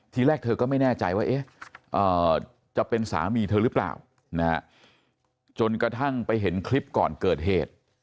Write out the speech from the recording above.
ทีแรกเธอก็ไม่แน่ใจว่าจะเป็นสามีเธอหรือเปล่าจนกระทั่งไปเห็นคลิปก่อนเกิดเหตุ